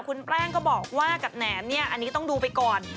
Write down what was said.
คุณแป้งก็บอกว่ากับแหนมเนี่ยอันนี้ต้องดูไปก่อน